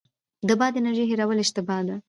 د باد انرژۍ هیرول اشتباه ده.